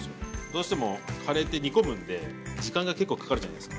どうしてもカレーって煮込むんで時間が結構かかるじゃないですか。